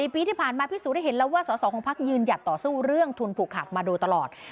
ปีที่ผ่านมาพิสูจนได้เห็นแล้วว่าสอสอของพักยืนหยัดต่อสู้เรื่องทุนผูกขาดมาโดยตลอด